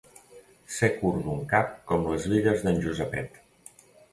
Ser curt d'un cap com les bigues d'en Josepet.